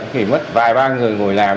có thể mất vài ba người ngồi làm